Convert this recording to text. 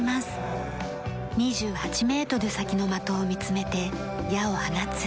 ２８メートル先の的を見つめて矢を放つ。